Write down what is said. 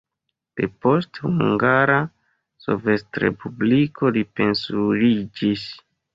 Depost Hungara Sovetrespubliko li pensiuliĝis.